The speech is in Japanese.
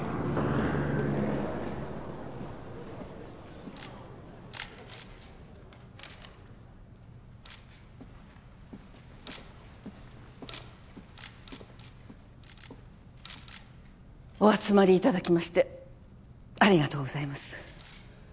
・カシャカシャカシャお集まりいただきましてありがとうございます。